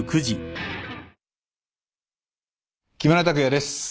木村拓哉です。